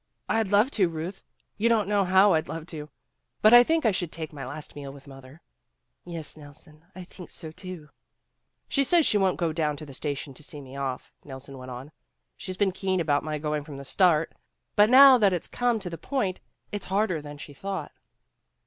"I'd love to, Ruth. You don't know how I'd love to. But I think I should take my last meal with mother. '' 1 'Yes, Nelson, I think so, too." She says she won 't go down to the station to see me off," Nelson went on. " She's been keen about my going from the start, but now that it 's come to the point, it 's harder than she thought."